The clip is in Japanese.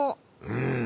うん。